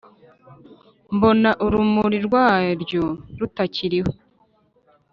mbona urumuri rwaryo rutakiriho